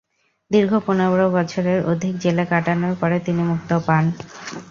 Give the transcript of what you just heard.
দীর্ঘ পনের বছরের অধিক জেলে কাটানোর পরে তিনি মুক্তি পান।